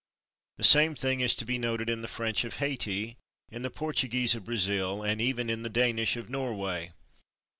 The same thing is to be noted in the French of Haiti, in the Portuguese of Brazil, and even in the Danish of Norway.